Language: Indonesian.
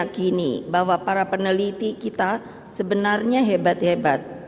meyakini bahwa para peneliti kita sebenarnya hebat hebat